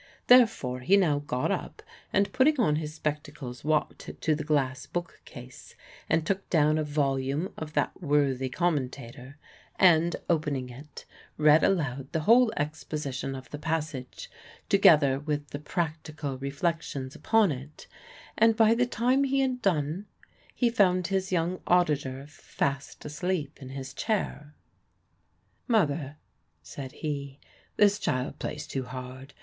Therefore he now got up, and putting on his spectacles, walked to the glass bookcase, and took down a volume of that worthy commentator, and opening it, read aloud the whole exposition of the passage, together with the practical reflections upon it; and by the time he had done, he found his young auditor fast asleep in his chair. "Mother," said he, "this child plays too hard.